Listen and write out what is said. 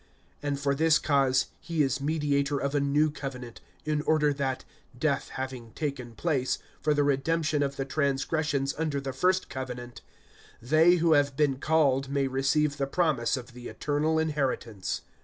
(15)And for this cause he is mediator of a new covenant, in order that, death having taken place, for the redemption of the transgressions under the first covenant, they who have been called may receive the promise of the eternal inheritance.